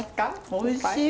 おいしい！